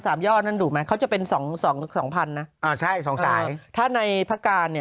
แต่ที่อื่นดุกว่ากว่านี้